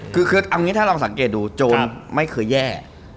คือเอางี้ถ้าลองสังเกตดูโจรไม่เคยแย่